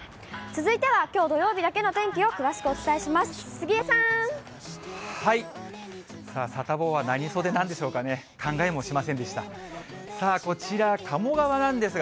続いては、きょう土曜日だけの天気を詳しくお伝えします。